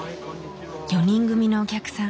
４人組のお客さん。